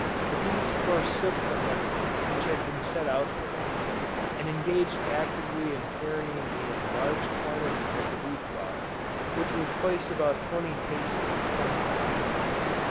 The bees forsook the honey which had been set out for them, and engaged actively in carrying in large quantities of the wheat flour, which was placed about twenty paces in front of the hives.